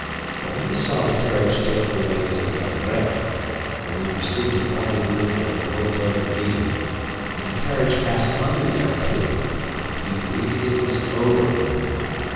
But when he saw the carriage take the way to La Grêve, when he perceived the pointed roof of the Hôtel de Ville, and the carriage passed under the arcade, he believed it was over with him.